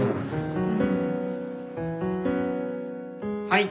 はい。